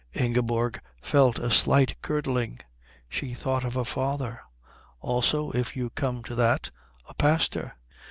Ingeborg felt a slight curdling. She thought of her father also, if you come to that, a pastor.